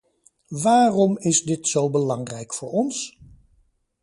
Waarom is dit zo belangrijk voor ons?